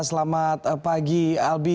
selamat pagi albi